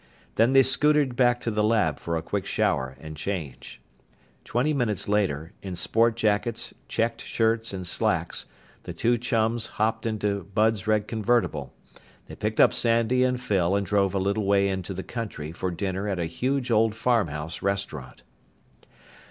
Then they scootered back to the lab for a quick shower and change. Twenty minutes later, in sport jackets, checked shirts, and slacks, the two chums hopped into Bud's red convertible. They picked up Sandy and Phyl and drove a little way into the country for dinner at a huge old farmhouse restaurant.